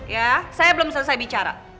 ya saya belum selesai bicara